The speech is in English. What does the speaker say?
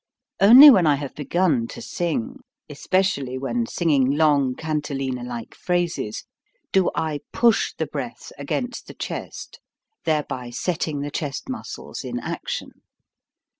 Only when I have begun to sing especially when singing long cantilena like phrases do I push the breath against the chest, thereby setting the chest muscles in action.